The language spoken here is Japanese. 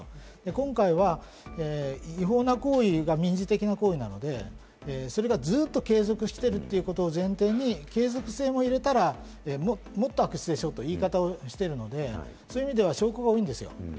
今回は違法な行為が民事的な行為なので、それがずっと継続しているということを前提に、継続性も入れたら、もっと悪質でしょ？という言い方をしているので、そういう意味では証拠が多いんです。